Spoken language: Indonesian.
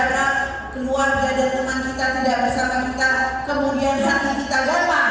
karena keluarga dan teman kita tidak bersama kita kemudian hati kita gampang